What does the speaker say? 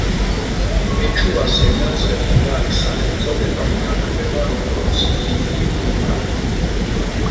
კეჩუას ენაზე მდინარის სახელწოდება ითარგმნება, როგორც „დიდი მდინარე“.